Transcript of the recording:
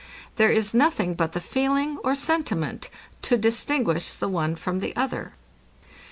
There is nothing but the feeling, or sentiment, to distinguish the one from the other.